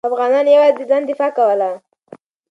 افغانانو یوازې د ځان دفاع کوله.